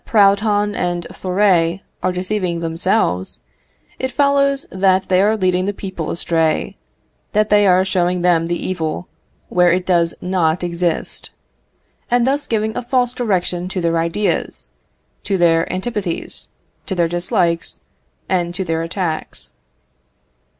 Proudhon and Thoré are deceiving themselves, it follows that they are leading the people astray that they are showing them the evil where it does not exist; and thus giving a false direction to their ideas, to their antipathies, to their dislikes, and to their attacks.